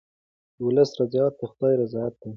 د ولس رضایت د خدای رضایت دی.